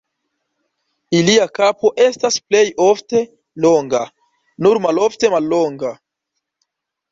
Ilia kapo estas plej ofte longa, nur malofte mallonga.